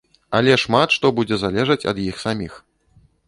Але шмат што будзе залежаць ад іх саміх.